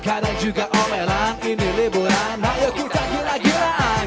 kadang juga omelan ini liburan ayo kita gila gilaan